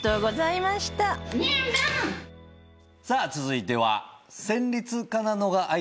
さあ続いては。